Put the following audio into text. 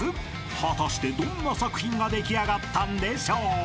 ［果たしてどんな作品が出来上がったんでしょう？］